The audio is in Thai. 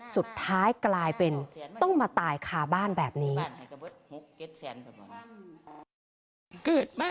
สุดท้ายกลายเป็นต้องมาตายคาบ้านแบบนี้